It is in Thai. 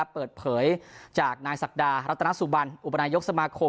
เปิดเผยจากนายศักดารัตนสุบันอุปนายกสมาคม